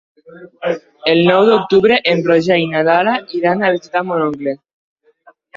El nou d'octubre en Roger i na Lara iran a visitar mon oncle.